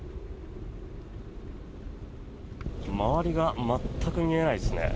周りが全く見えないですね。